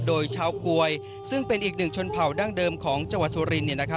โดยชาวกวยซึ่งเป็นอีกหนึ่งชนเผ่าดั้งเดิมของจังหวัดสุรินทร์